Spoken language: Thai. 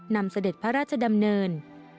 เสด็จพระราชดำเนิน